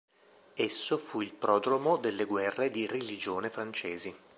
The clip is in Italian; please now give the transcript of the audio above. Esso fu il prodromo delle Guerre di religione francesi.